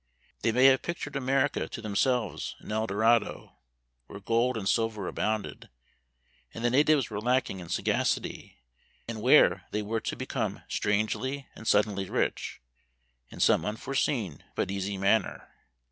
They may have pictured America to themselves an El Dorado, where gold and silver abounded, and the natives were lacking in sagacity, and where they were to become strangely and suddenly rich, in some unforeseen but easy manner.